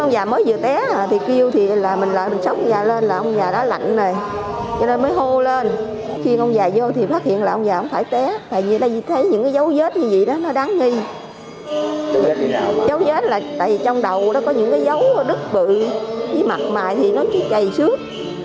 giấu vết là tại trong đầu có những cái dấu đứt bự với mặt mài thì nó cứ chày suốt